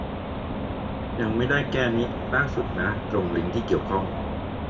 ยังไม่ได้แก้นิ ล่างสุดเลยนะ ตรง ลิงก์ที่เกี่ยวข้อง